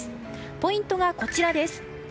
ポイントがこちらです。